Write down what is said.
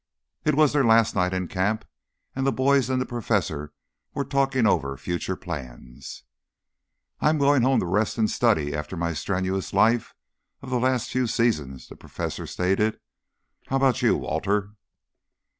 It was their last night in the camp and the boys and the Professor were talking over future plans. "I'm going home to rest and study after my strenuous life of the last few seasons," the Professor stated. "How about you, Walter?"